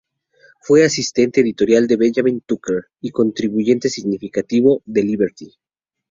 Fue asistente editorial de Benjamin Tucker, y un contribuyente significativo de Liberty.